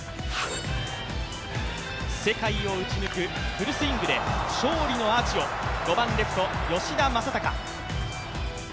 世界を打ち抜くフルスイングで勝利のアーチを５番レフト・吉田正尚。